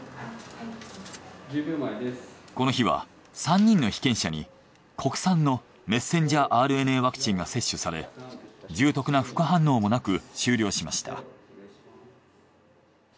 この日は３人の被験者に国産のｍＲＮＡワクチンが接種され重篤な副反応もなく終了しました。